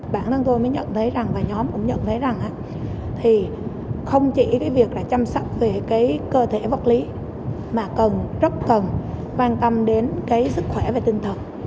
bản thân tôi mới nhận thấy rằng và nhóm cũng nhận thấy rằng thì không chỉ việc chăm sóc về cơ thể vật lý mà cần rất cần quan tâm đến sức khỏe và tinh thần